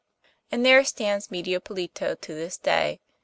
And there stands Medio Pollito to this day.